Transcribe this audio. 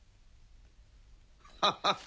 ハハハ